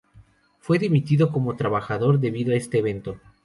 Fue dimitido como embajador debido a este evento.